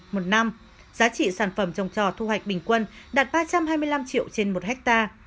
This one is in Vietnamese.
một năm giá trị sản phẩm trồng trò thu hoạch bình quân đạt ba trăm hai mươi năm triệu trên một hectare